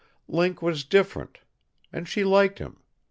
Link was different. And she liked him.